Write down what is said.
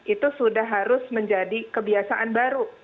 itu sudah harus menjadi kebiasaan baru